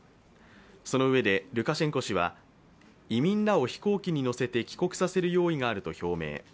そのうえで、ルカシェンコ氏は移民らを飛行機に乗せて帰国させる用意があると表明。